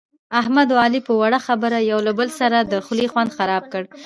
احمد اوعلي په وړه خبره یو له بل سره د خولې خوند خراب کړ.